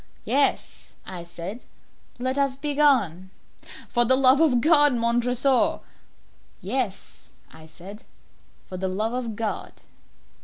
"Yes," I said, "let us be gone." "For the love of God, Montresor!" "Yes," I said, "for the love of God!"